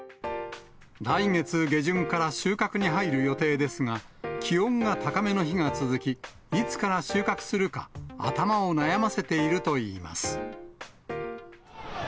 来月下旬から収穫に入る予定ですが、気温が高めの日が続き、いつから収穫するか、頭を悩ませているといいます。